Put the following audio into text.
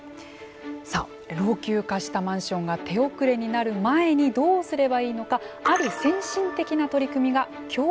さあ老朽化したマンションが手遅れになる前にどうすればいいのかある先進的な取り組みが京都市で行われています。